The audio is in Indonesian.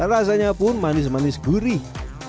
rasanya pun manis manis gurih